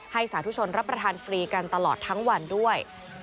สาธุชนรับประทานฟรีกันตลอดทั้งวันด้วย